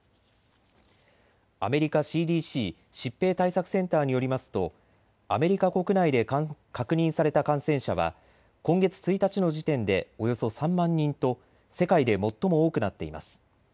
アメリカＣＤＣ・疾病対策センターによりますとアメリカ国内で確認された感染者は今月１日の時点でおよそ３万人と世界で最も多くなっています。